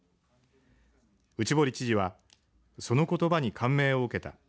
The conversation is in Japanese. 内堀知事はそのことばに感銘を受けた。